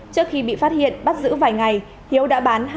trước khi bị phát hiện bắt giữ vài ngày hiếu đã bán